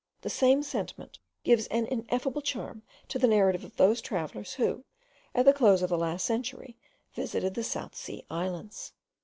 The same sentiment gives an ineffable charm to the narrative of those travellers who, at the close of the last century, visited the South Sea Islands.